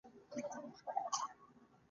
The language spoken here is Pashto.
اکثریت پریکړه کوي